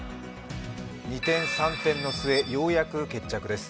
二転三転の末、ようやく決着です。